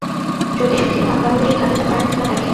যদি সুখী হন তাহলে এই ধাঁধাটা পারেন কি না দেখেন।